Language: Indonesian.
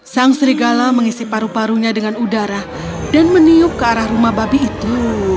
sang serigala mengisi paru parunya dengan udara dan meniup ke arah rumah babi itu